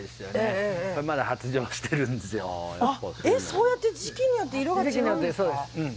そうやって時期によって色が違うんですか。